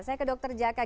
saya ke dokter jaka